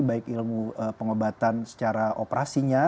baik ilmu pengobatan secara operasinya